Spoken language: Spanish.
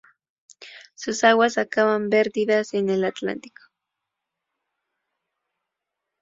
Sus aguas acaban vertidas en el Atlántico.